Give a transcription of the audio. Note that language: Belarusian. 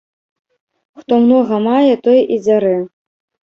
Хто многа мае, той і дзярэ.